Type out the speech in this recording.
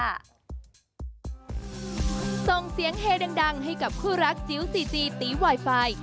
ส่งเสียงเฮดังให้กับคู่รักจิ๋วซีจีตีตีไวไฟ